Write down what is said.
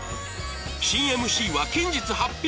新 ＭＣ は近日発表！